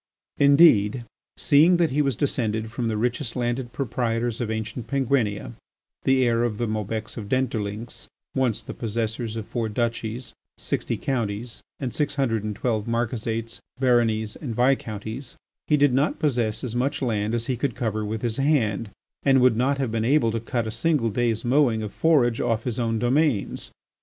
Indeed seeing that he was descended from the richest landed proprietors of ancient Penguinia, the heir of the Maubecs of Dentdulynx, once the possessors of four duchies, sixty counties, and six hundred and twelve marquisates, baronies, and viscounties, he did not possess as much land as he could cover with his hand, and would not have been able to cut a single day's mowing of forage off his own domains.